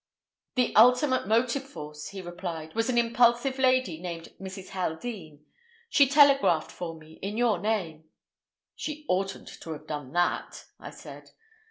"The ultimate motive force," he replied, "was an impulsive lady named Mrs. Haldean. She telegraphed for me—in your name." "She oughtn't to have done that," I said.